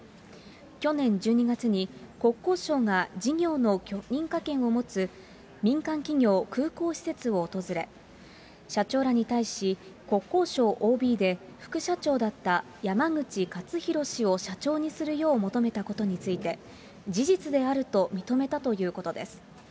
去年１２月に、国交省が事業の許認可権を持つ民間企業、空港施設を訪れ、社長らに対し、国交省ＯＢで副社長だった山口勝弘氏を社長にするよう求めたことについて、事実であると認めたということです。